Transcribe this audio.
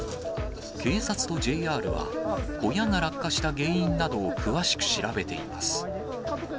警察とＪＲは、小屋が落下した原因などを詳しく調べています。